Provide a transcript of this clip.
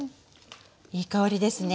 いい香りですね。